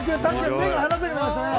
目が離せなくなりましたね。